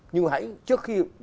nhưng hãy trước khi